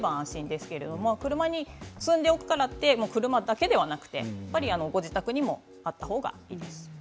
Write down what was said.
でも、車に積んでおくからということではなく車だけではなくてご自宅にもあったほうがいいです。